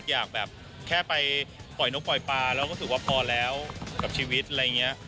อยากแบบแค่ไปปล่อยนกปล่อยปลาเราก็ถือว่าพอแล้วกับชีวิตอะไรอย่างนี้